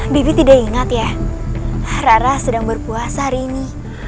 bibi tidak ingat ya rara sedang berpuasa hari ini